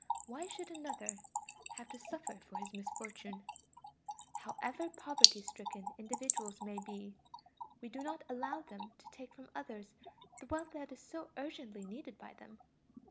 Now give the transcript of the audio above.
Why should another have to suffer for his misfortune? However poverty stricken individuals may be, we do not allow them to take from others the wealth that is so urgently needed by them.